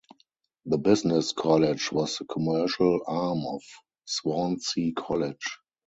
The Business College was the commercial arm of Swansea College.